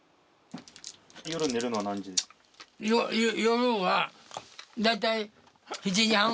夜は。